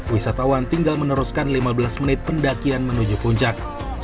wisatawan tinggal meneruskan lima belas menit pendakian menuju puncak